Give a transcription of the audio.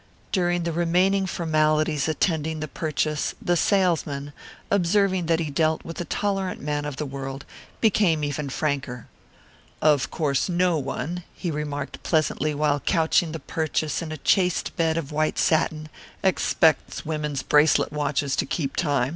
During the remaining formalities attending the purchase the salesman, observing that he dealt with a tolerant man of the world, became even franker. "Of course no one," he remarked pleasantly while couching the purchase in a chaste bed of white satin, "expects women's bracelet watches to keep time.